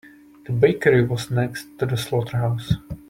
The bakery was next to the slaughterhouse.